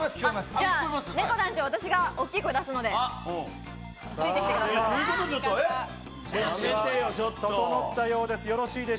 じゃあねこ団長、私が大きい声を出すので、ついてきてください。